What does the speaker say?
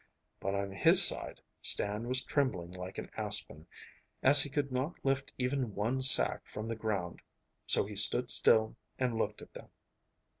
But on his side Stan was trembling like an aspen, as he could not lift even one sack from the ground. So he stood still and looked at them.